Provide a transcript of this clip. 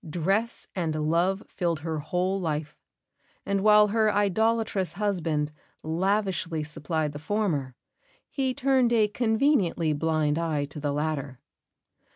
Dress and love filled her whole life; and while her idolatrous husband lavishly supplied the former, he turned a conveniently blind eye to the latter.